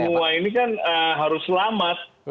dan semua ini kan harus selamat